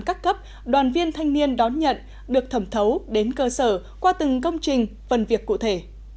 các cấp đoàn viên thanh niên đón nhận được thẩm thấu đến cơ sở qua từng công trình phần việc cụ thể